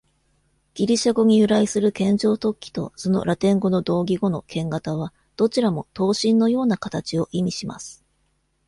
ギリシャ語に由来する剣状突起と、そのラテン語の同義語の剣形はどちらも「刀身のような形」を意味します。